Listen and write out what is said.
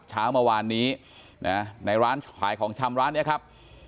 เช้าเมื่อวานนี้นะในร้านขายของชำร้านนี้ครับ